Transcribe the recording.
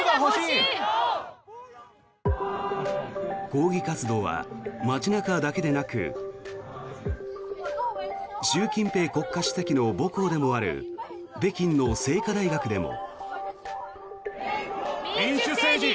抗議活動は街中だけでなく習近平国家主席の母校でもある北京の清華大学でも。